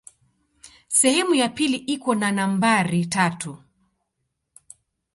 Sehemu ya pili iko na nambari tatu.